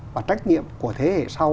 và trách nhiệm của thế hệ sau